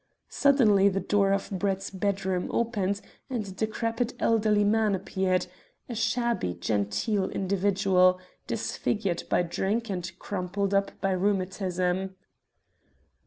Suddenly the door of Brett's bedroom opened, and a decrepit elderly man appeared, a shabby genteel individual, disfigured by drink and crumpled up by rheumatism.